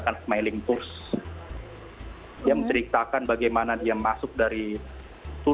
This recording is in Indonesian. tapi mereka memang bisa ditemukan maupun di muak bahwa mereka sih sudah l neu